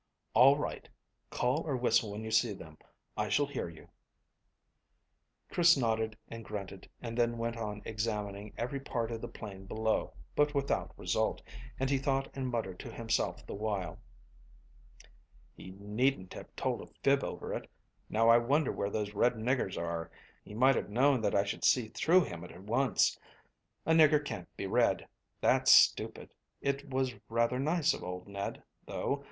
"All right. Call or whistle when you see them. I shall hear you." Chris nodded and grunted, and then went on examining every part of the plain below, but without result, and he thought and muttered to himself the while. "He needn't have told a fib over it. Now, I wonder where those red niggers are. He might have known that I should see through him at once. A nigger can't be red. That's stupid. It was rather nice of old Ned, though.